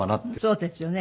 そうですよね。